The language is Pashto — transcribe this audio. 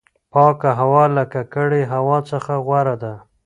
پاکه هوا له ککړې هوا څخه غوره ده.